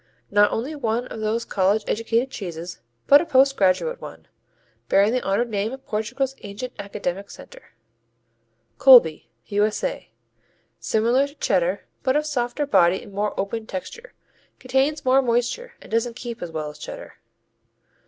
Not only one of those college educated cheeses but a postgraduate one, bearing the honored name of Portugal's ancient academic center. Colby U.S.A. Similar to Cheddar, but of softer body and more open texture. Contains more moisture, and doesn't keep as well as Cheddar.